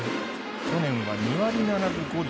去年は２割７分５厘。